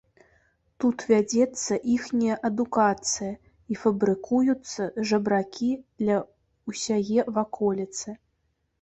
Тут вядзецца іхняя адукацыя і фабрыкуюцца жабракі для ўсяе ваколіцы.